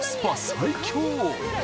最強